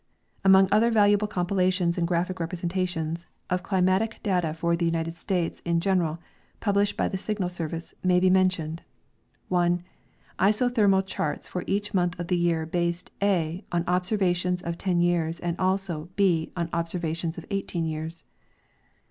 Among other valuable compilations and graphic representa tions of climatic data for the United States in general published by the Signal service may be mentioned : 1. Isothermal charts for each month of the j^ear, based («) on observations of ten years, and also (/>) on observations of eighteen years.